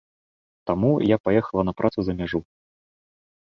Таму я паехала на працу за мяжу.